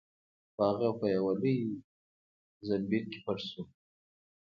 خو هغه په یوه لوی زنبیل کې پټ شو.